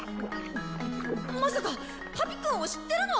まさかパピくんを知ってるの！？